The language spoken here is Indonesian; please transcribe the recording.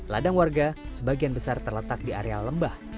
ladang warga sebagian besar terletak di area lembah